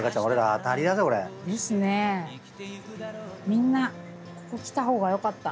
みんなここ来た方がよかった。